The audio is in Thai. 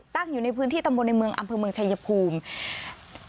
อยู่ในพื้นที่ตำบลในเมืองอำเภอเมืองชายภูมิ